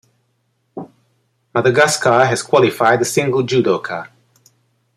Madagascar has qualified a single judoka.